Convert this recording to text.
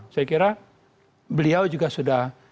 saya kira beliau juga sudah